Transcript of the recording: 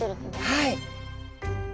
はい。